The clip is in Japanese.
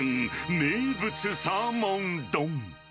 名物サーモン丼。